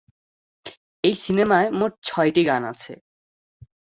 এই সিনেমায় মোট ছয়টি গান আছে।